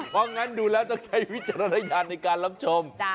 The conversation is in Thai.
เพราะงั้นดูแล้วต้องใช้วิจารณญาณในการรับชม